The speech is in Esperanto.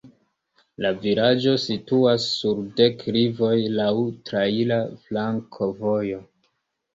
La vilaĝo situas sur deklivoj, laŭ traira flankovojo.